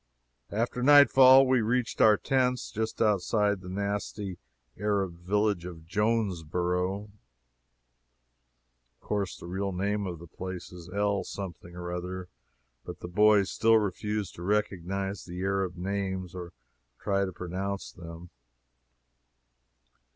After nightfall we reached our tents, just outside of the nasty Arab village of Jonesborough. Of course the real name of the place is El something or other, but the boys still refuse to recognize the Arab names or try to pronounce them.